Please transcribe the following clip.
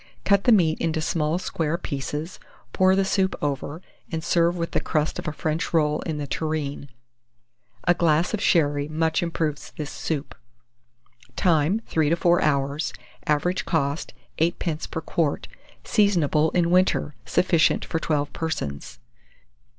Cut the meat into small square pieces, pour the soup over, and serve with the crust of a French roll in the tureen. A glass of sherry much improves this soup. Time. 3 to 4 hours. Average cost, 8d. per quart. Seasonable in winter. Sufficient for 12 persons.